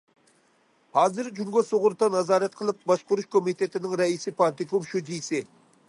ھازىر جۇڭگو سۇغۇرتا نازارەت قىلىپ باشقۇرۇش كومىتېتىنىڭ رەئىسى، پارتكوم شۇجىسى.